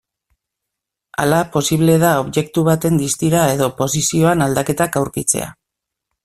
Hala posible da objektu baten distira edo posizioan aldaketak aurkitzea.